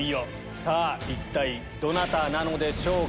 一体どなたなのでしょうか？